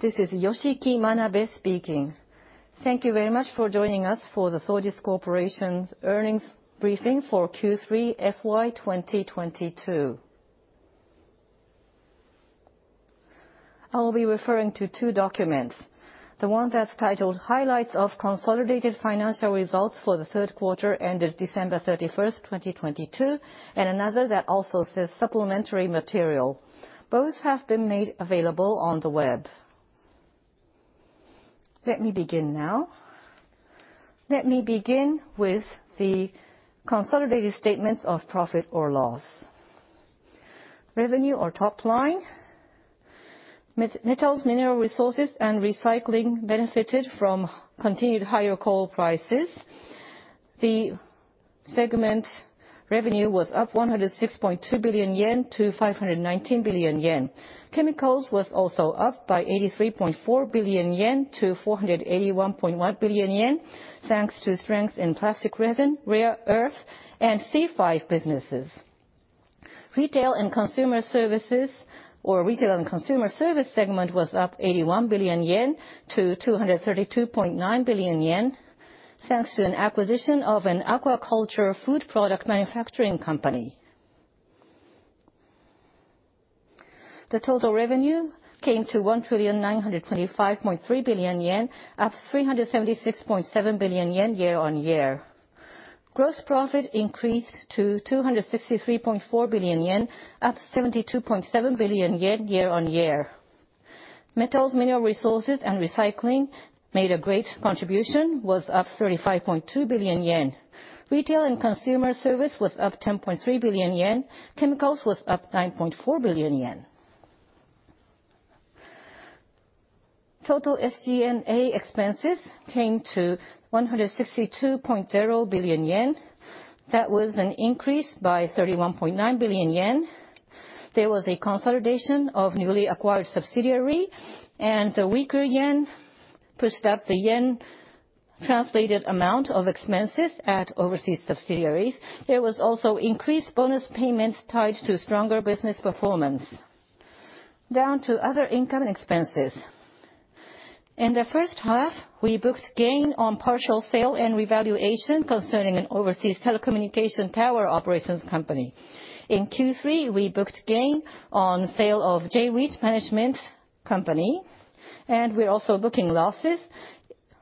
This is Yoshiki Manabe speaking. Thank you very much for joining us for the Sojitz Corporation's earnings briefing for Q3 FY 2022. I will be referring to two documents. The one that's titled Highlights of Consolidated Financial Results for the third quarter ended December 31st, 2022, and another that also says Supplementary Material. Both have been made available on the web. Let me begin now. Let me begin with the consolidated statements of profit or loss. Revenue or top line. Metals, Mineral Resources & Recycling benefited from continued higher coal prices. The segment revenue was up 106.2 billion yen to 519 billion yen. Chemicals was also up by 83.4 billion yen to 481.1 billion yen, thanks to strength in plastic resin, rare earth, and C5 businesses. Retail and consumer services or Retail & Consumer Service segment was up 81 billion yen to 232.9 billion yen, thanks to an acquisition of an aquaculture food product manufacturing company. The total revenue came to 1,925.3 billion yen, up 376.7 billion yen year-on-year. Gross profit increased to 263.4 billion yen, up 72.7 billion yen year-on-year. Metals, Mineral Resources & Recycling made a great contribution, was up 35.2 billion yen. Retail & Consumer Service was up 10.3 billion yen. Chemicals was up 9.4 billion yen. Total SG&A expenses came to 162.0 billion yen. That was an increase by 31.9 billion yen. There was a consolidation of newly acquired subsidiary, and a weaker yen pushed up the yen-translated amount of expenses at overseas subsidiaries. There was also increased bonus payments tied to stronger business performance. Down to other income expenses. In the first half, we booked gain on partial sale and revaluation concerning an overseas telecommunication tower operations company. In Q3, we booked gain on sale of J-REIT management company, and we're also booking losses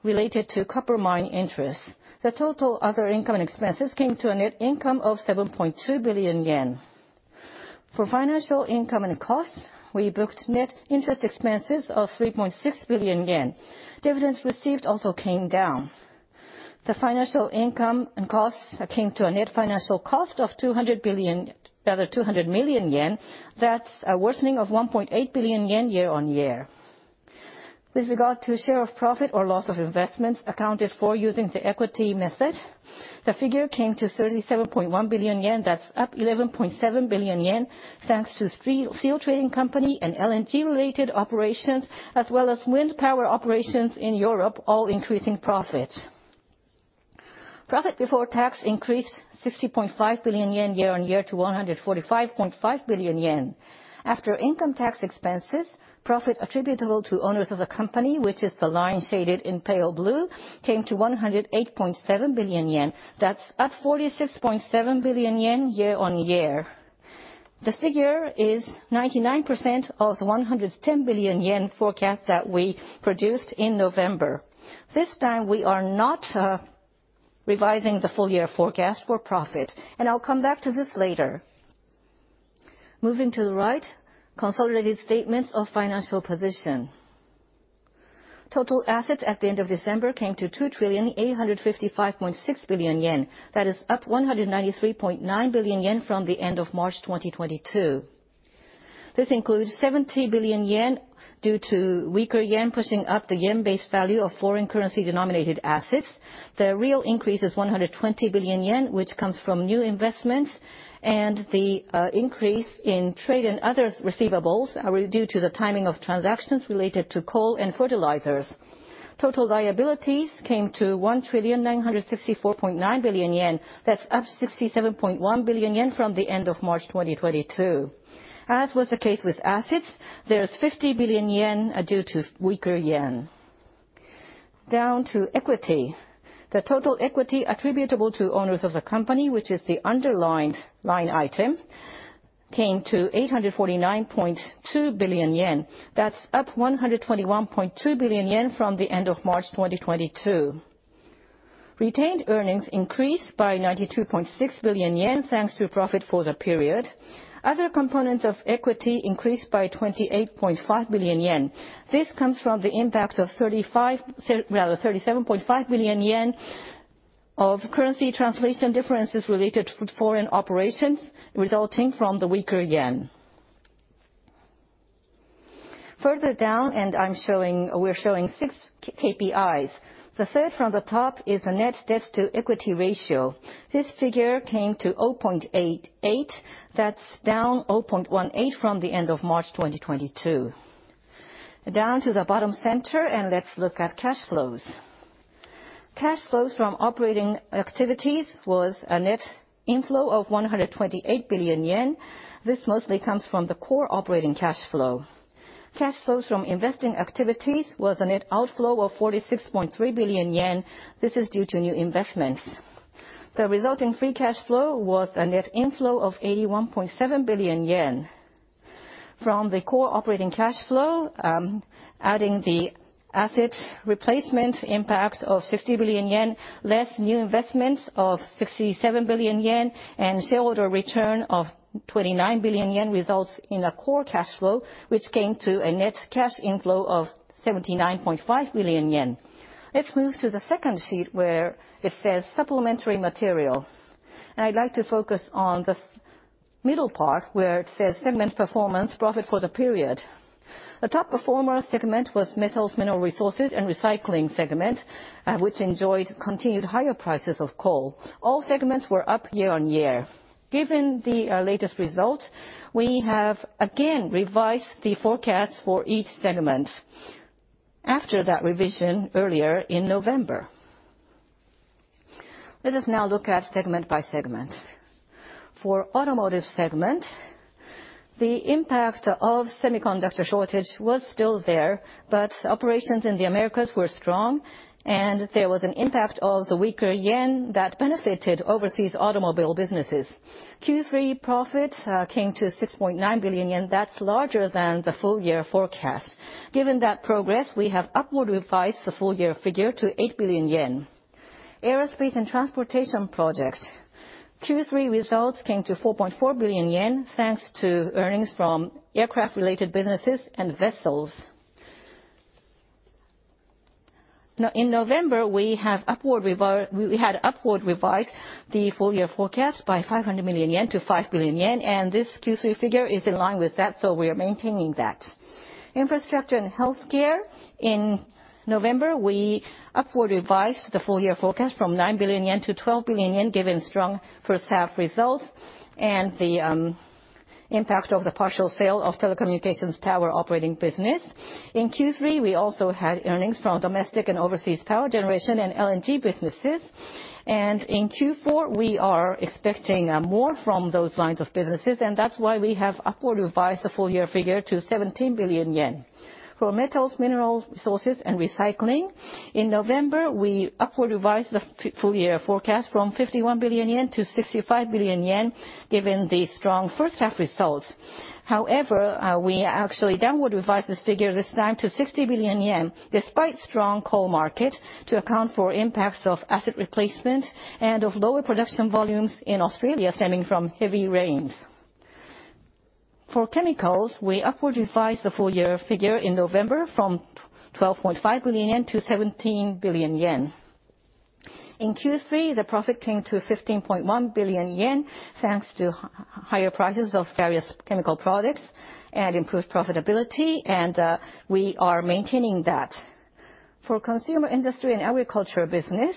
related to copper mine interest. The total other income and expenses came to a net income of 7.2 billion yen. For financial income and costs, we booked net interest expenses of 3.6 billion yen. Dividends received also came down. The financial income and costs came to a net financial cost of 200 million yen. That's a worsening of 1.8 billion yen year-on-year. With regard to share of profit or loss of investments accounted for using the equity method, the figure came to 37.1 billion yen. That's up 11.7 billion yen, thanks to steel trading company and LNG-related operations, as well as wind power operations in Europe, all increasing profit. Profit before tax increased 60.5 billion yen year-on-year to 145.5 billion yen. After income tax expenses, profit attributable to owners of the company, which is the line shaded in pale blue, came to 108.7 billion yen. That's up 46.7 billion yen year-on-year. The figure is 99% of the 110 billion yen forecast that we produced in November. This time, we are not revising the full-year forecast for profit, and I'll come back to this later. Moving to the right, consolidated statements of financial position. Total assets at the end of December came to 2,855.6 billion yen. That is up 193.9 billion yen from the end of March 2022. This includes 70 billion yen due to weaker yen pushing up the yen-based value of foreign currency denominated assets. The real increase is 120 billion yen, which comes from new investments, and the increase in trade and other receivables are due to the timing of transactions related to coal and fertilizers. Total liabilities came to 1,964.9 billion yen. That's up 67.1 billion yen from the end of March 2022. As was the case with assets, there is 50 billion yen due to weaker yen. Down to equity. The total equity attributable to owners of the company, which is the underlined line item, came to 849.2 billion yen. That's up 121.2 billion yen from the end of March 2022. Retained earnings increased by 92.6 billion yen, thanks to profit for the period. Other components of equity increased by 28.5 billion yen. This comes from the impact of 37.5 billion yen of currency translation differences related to foreign operations resulting from the weaker yen. Further down, we're showing six KPIs. The third from the top is the net debt-to-equity ratio. This figure came to 0.88. That's down 0.18 from the end of March 2022. Down to the bottom center, and let's look at cash flows. Cash flows from operating activities was a net inflow of 128 billion yen. This mostly comes from the core operating cash flow. Cash flows from investing activities was a net outflow of 46.3 billion yen. This is due to new investments. The resulting free cash flow was a net inflow of 81.7 billion yen. From the core operating cash flow, adding the asset replacement impact of 50 billion yen, less new investments of 67 billion yen, and shareholder return of 29 billion yen, results in a core cash flow, which came to a net cash inflow of 79.5 billion yen. Let's move to the second sheet where it says supplementary material. I'd like to focus on the middle part where it says, "Segment performance profit for the period." The top performer segment was Metals, Mineral Resources & Recycling segment, which enjoyed continued higher prices of coal. All segments were up year-on-year. Given the latest results, we have again revised the forecast for each segment after that revision earlier in November. Let us now look at segment by segment. For Automotive segment, the impact of semiconductor shortage was still there. Operations in the Americas were strong, and there was an impact of the weaker yen that benefited overseas automobile businesses. Q3 profit came to 6.9 billion yen, that's larger than the full-year forecast. Given that progress, we have upward revised the full-year figure to 8 billion yen. Aerospace and Transportation Projects. Q3 results came to 4.4 billion yen, thanks to earnings from aircraft related businesses and vessels. In November, we had upward revised the full-year forecast by 500 million yen to 5 billion yen, and this Q3 figure is in line with that, so we are maintaining that. Infrastructure & Healthcare. In November, we upward revised the full-year forecast from 9 billion yen to 12 billion yen, given strong first half results and the impact of the partial sale of telecommunications tower operating business. In Q3, we also had earnings from domestic and overseas power generation and LNG businesses. In Q4, we are expecting more from those lines of businesses, and that's why we have upward revised the full-year figure to 17 billion yen. For Metals, Mineral Resources & Recycling, in November, we upward revised the full-year forecast from 51 billion yen to 65 billion yen, given the strong first half results. However, we actually downward revised this figure this time to 60 billion yen, despite strong coal market, to account for impacts of asset replacement and of lower production volumes in Australia stemming from heavy rains. For Chemicals, we upward revised the full-year figure in November from 12.5 billion yen to 17 billion yen. In Q3, the profit came to 15.1 billion yen, thanks to higher prices of various chemical products and improved profitability, and we are maintaining that. For Consumer Industry & Agriculture Business,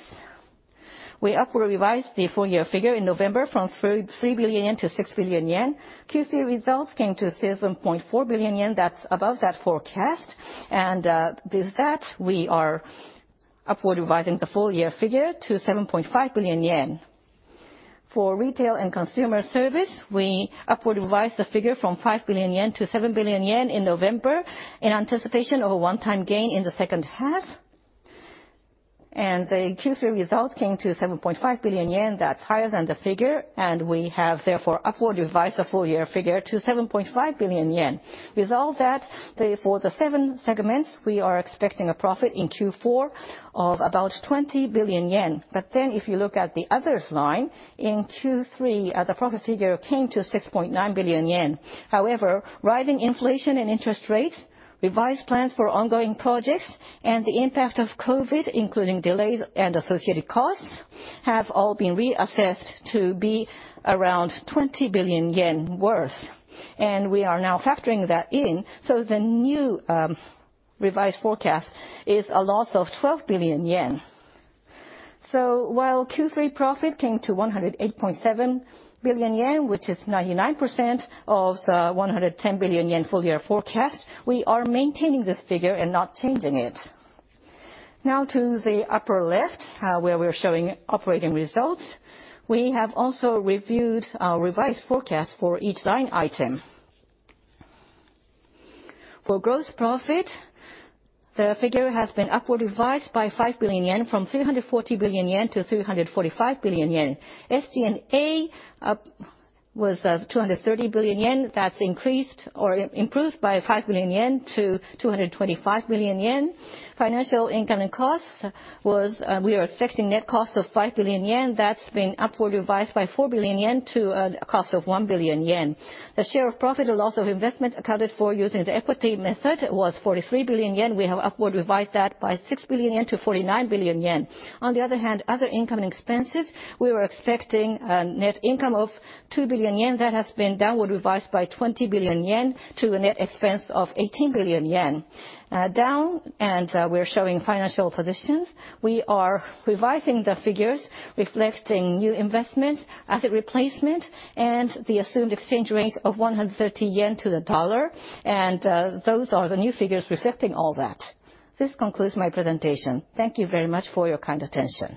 we upward revised the full-year figure in November from 3 billion yen to 6 billion yen. Q3 results came to 7.4 billion yen, that's above that forecast, and with that, we are upward revising the full-year figure to 7.5 billion yen. For Retail & Consumer Service, we upward revised the figure from 5 billion yen to 7 billion yen in November, in anticipation of a one-time gain in the second half. The Q3 results came to 7.5 billion yen, that's higher than the figure, and we have therefore upward revised the full-year figure to 7.5 billion yen. With all that, for the seven segments, we are expecting a profit in Q4 of about 20 billion yen. If you look at the others line, in Q3, the profit figure came to 6.9 billion yen. However, rising inflation and interest rates, revised plans for ongoing projects, and the impact of COVID, including delays and associated costs, have all been reassessed to be around 20 billion yen worth. We are now factoring that in, so the new revised forecast is a loss of 12 billion yen. While Q3 profit came to 108.7 billion yen, which is 99% of the 110 billion yen full-year forecast, we are maintaining this figure and not changing it. Now to the upper left, where we're showing operating results. We have also reviewed our revised forecast for each line item. For gross profit, the figure has been upward revised by 5 billion yen from 340 billion yen to 345 billion yen. SG&A was at 230 billion yen. That's increased or improved by 5 billion yen to 225 billion yen. Financial income and costs was, we are expecting net cost of 5 billion yen. That's been upward revised by 4 billion yen to a cost of 1 billion yen. The share of profit or loss of investment accounted for using the equity method was 43 billion yen. We have upward revised that by 6 billion yen to 49 billion yen. Other income and expenses, we were expecting a net income of 2 billion yen. That has been downward revised by 20 billion yen to a net expense of 18 billion yen. Down, we are showing financial positions. We are revising the figures reflecting new investments, asset replacement, and the assumed exchange rate of 130 yen to the USD, and those are the new figures reflecting all that. This concludes my presentation. Thank you very much for your kind attention.